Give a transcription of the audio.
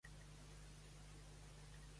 Telefona al Sulaiman Roger.